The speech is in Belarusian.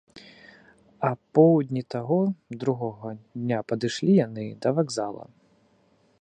Апоўдні таго, другога, дня падышлі яны да вакзала.